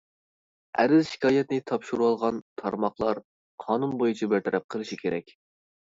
ئەرز-شىكايەتنى تاپشۇرۇۋالغان تارماقلار قانۇن بويىچە بىر تەرەپ قىلىشى كېرەك.